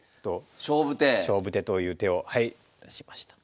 勝負手という手をはい出しました。